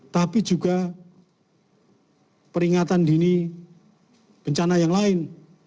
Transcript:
tapi juga peringatan dini bencana yang lain